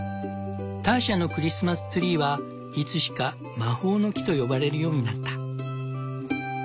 ターシャのクリスマスツリーはいつしか「魔法の木」と呼ばれるようになった。